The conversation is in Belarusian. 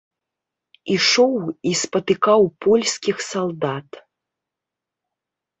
Ішоў і спатыкаў польскіх салдат.